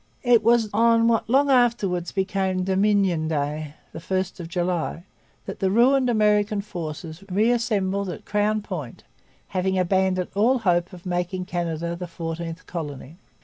It was on what long afterwards became Dominion Day the 1st of July that the ruined American forces reassembled at Crown Point, having abandoned all hope of making Canada the Fourteenth Colony.